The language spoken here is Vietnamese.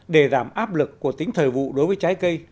để giảm áp lực của tính thời vụ đối với trái cây